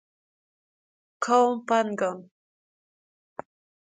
کاوپنگان